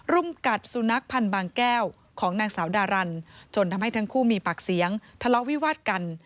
ุ่มกัดสุนัขพันธ์บางแก้วของนางสาวดารันจนทำให้ทั้งคู่มีปากเสียงทะเลาะวิวาดกัน